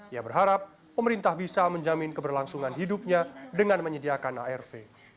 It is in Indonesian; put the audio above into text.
ia berharap pemerintah bisa menjamin keberlangsungan hidupnya dengan menyediakan arv